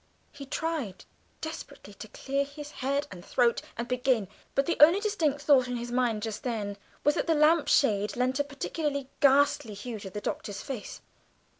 He tried desperately to clear his head and throat and begin; but the only distinct thought in his mind just then was that the green lamp shade lent a particularly ghastly hue to the Doctor's face.